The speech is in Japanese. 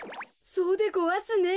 そうでごわすね。